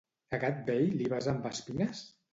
A gat vell li vas amb espines?